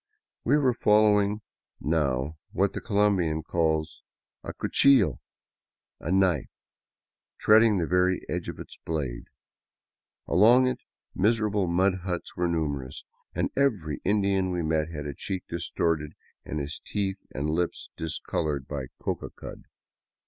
We were follow ing now what the Colombian calls a cuchillo, a " knife," treading the very edge of its blade. Along it, miserable mud huts were numerous ; and evei y Indian we met had a cheek distorted and his teeth and lips discolored by a coca cud.